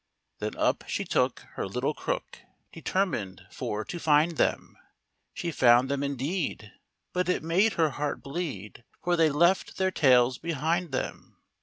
Then up she took Her little crook, Determined for to find them ; She found them indeed, But it made her heart bleed For they'd left their tails behind them.